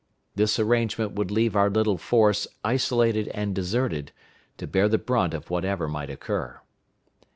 This arrangement would leave our little force isolated and deserted, to bear the brunt of whatever might occur.